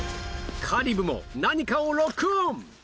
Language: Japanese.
香里武も何かをロックオン！